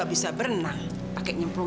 am shoes biru cuma unutur aja nya aaron